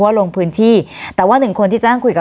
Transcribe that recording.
วันนี้แม่ช่วยเงินมากกว่า